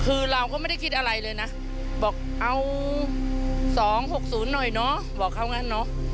คือเราก็ไม่ได้คิดอะไรเลยนะบอกเอา๒๖๐หน่อยเนอะบอกเขางั้นเนอะ